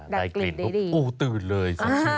ได้กลิ่นได้ดี